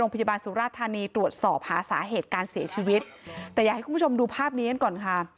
สุราธานีตรวจสอบหาสาเหตุการเสียชีวิตแต่อยากให้คุณผู้ชมดูภาพนี้กันก่อนค่ะ